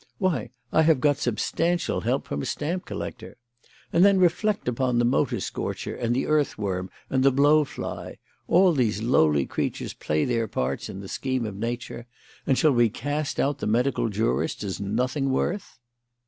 Why, I have got substantial help from a stamp collector. And then reflect upon the motor scorcher and the earthworm and the blow fly. All these lowly creatures play their parts in the scheme of Nature; and shall we cast out the medical jurist as nothing worth?"